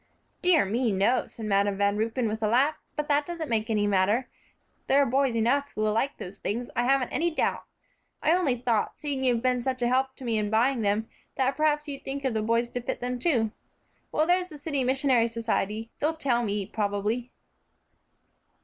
"Dear me, no," said Madam Van Ruypen, with a laugh, "but that doesn't make any matter. There are boys enough who will like those things, I haven't any doubt. I only thought, seeing you've been such a help to me in buying them, that perhaps you'd think of the boys to fit them to. Well, there's the City Missionary Society; they'll tell me, probably."